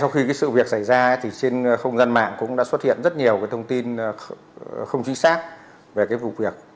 khi sự việc xảy ra thì trên không gian mạng cũng đã xuất hiện rất nhiều thông tin không chính xác về cái vụ việc